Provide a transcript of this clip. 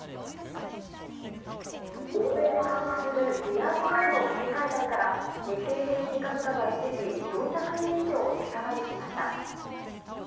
欧米で加速する利上げへの警戒感から、日経平均株価が一時、４００円以上値下がりしました。